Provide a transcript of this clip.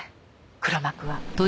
黒幕は。